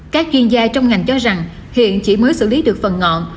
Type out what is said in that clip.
các chuyên gia trong ngành cho rằng hiện chỉ mới xử lý được phần ngọn